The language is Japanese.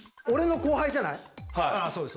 あそうです